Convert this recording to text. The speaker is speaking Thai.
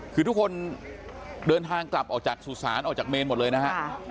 คือทุกคนเดินทางกลับออกจากสุสานออกจากเมนหมดเลยนะฮะ